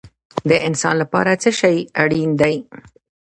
د انسان لپاره څه شی اړین دی؟